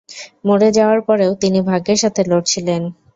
মরে যাওয়ার পরেও, তিনি ভাগ্যের সাথে লড়ছিলেন।